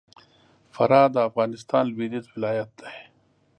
فراه د افغانستان لوېدیځ ولایت دی